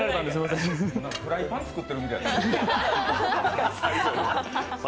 フライパン作ってるみたい。